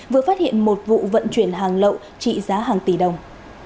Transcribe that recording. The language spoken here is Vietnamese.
vừa phát hiện một vụ vận chuyển hàng lậu trị giá hàng tỷ đồng